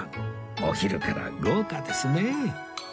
お昼から豪華ですね